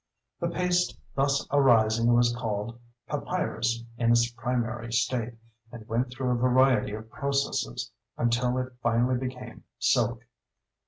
The paste thus arising was called papyrus in its primary state, and went through a variety of processes until it finally became "silk."